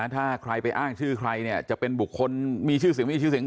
ถ้าใครไปอ้างชื่อใครเนี่ยจะเป็นบุคคลมีชื่อเสียงไม่มีชื่อเสียง